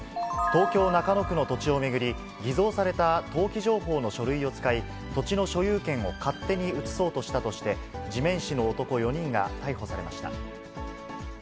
東京・中野区の土地を巡り、偽造された登記情報の書類を使い、土地の所有権を勝手に移そうとしたとして、地面師の男４人が逮捕されました。